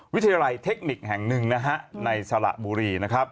วิทยาลัยเทคนิคแห่งหนึ่งในสระบุรี